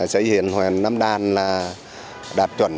xây dựng huyện nam đàn là đạt chuẩn